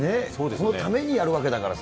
このためにやるわけだからさ。